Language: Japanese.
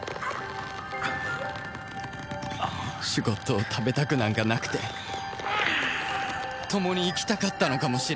シュゴッドを食べたくなんかなくて共に生きたかったのかもしれない。